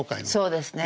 そうですね。